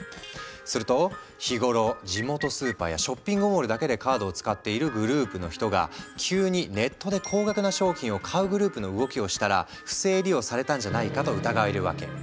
すると日頃地元スーパーやショッピングモールだけでカードを使っているグループの人が急にネットで高額な商品を買うグループの動きをしたら不正利用されたんじゃないかと疑えるわけ。